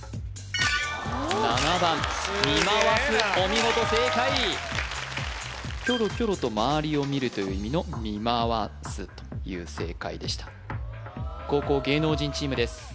お見事正解キョロキョロと周りを見るという意味のみまわすという正解でした後攻芸能人チームです